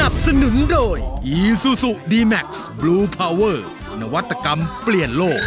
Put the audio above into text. สนับสนุนโดยอีซูซูดีแม็กซ์บลูพาวเวอร์นวัตกรรมเปลี่ยนโลก